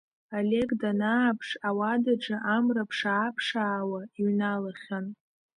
Олег данааԥш ауадаҿы амра ԥшаа-ԥшаауа иҩналахьан.